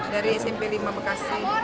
dari smp lima bekasi